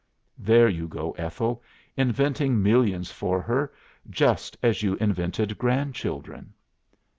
'" "'There you go, Ethel, inventing millions for her just as you invented grandchildren.